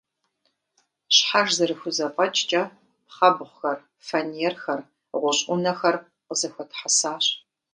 Щхьэж зэрыхузэфӏэкӏкӏэ пхъэбгъухэр, фанерхэр, гъущӏ ӏунэхэр къызэхуэтхьэсащ.